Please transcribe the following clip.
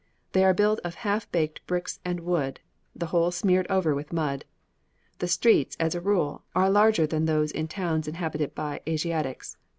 They are built of half baked bricks and wood, the whole smeared over with mud. The streets, as a rule, are larger than those in towns inhabited by Asiatics.